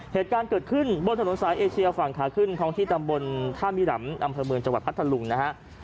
เหตุการณ์เกิดขึ้นบนถนนสายเอเชียฝั่งขาขึ้นท้องที่ตำบลท่ามิหลำอำเภอเมืองจังหวัดพัทธลุงนะฮะ